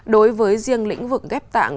đối với riêng lĩnh vực ghép tạng